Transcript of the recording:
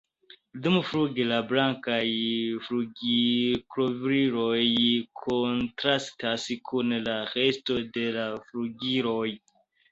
Dumfluge la blankaj flugilkovriloj kontrastas kun la resto de la flugiloj.